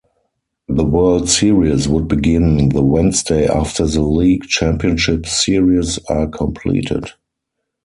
The World Series would begin the Wednesday after the League Championship Series are completed.